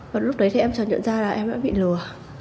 và lúc đấy thì em chờ nhận ra là em đã bị lừa